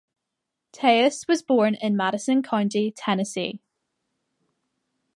Theus was born in Madison County, Tennessee.